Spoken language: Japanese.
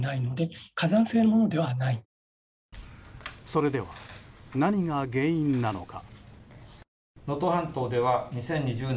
それでは、何が原因なのか。